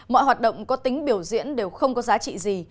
mọi hoạt động có tính biểu diễn đều không có giá trị gì